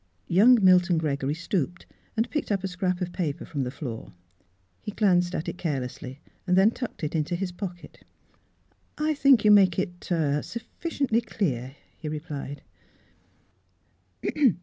Young Milton Gregory stooped and picked up a scrap of paper from the floor. He glanced at it carelessly, then tucked it into his pocket. " I think 3^ou make it — er — suffi ciently clear," he replied.